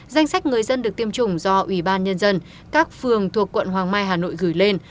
danh sách người dân được tiêm chủng do ủy ban nhân dân các phường thuộc quận hoàng mai hà nội gửi lên